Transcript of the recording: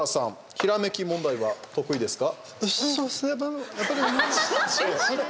ひらめき問題は得意ですか？